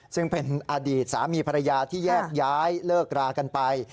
ซึ่งเป็นอดีตสามีภรรยาที่แยกย้ายเลิกรากันไป